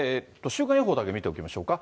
週間予報だけ見ておきましょうか。